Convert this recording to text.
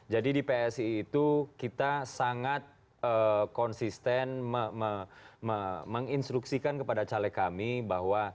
jadi di psi itu kita sangat konsisten menginstruksikan kepada caleg kami bahwa